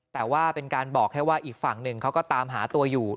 แต่ว่าเป็นการบอกแค่ว่าอีกฝั่งหนึ่งเขาก็ตามหาตัวอยู่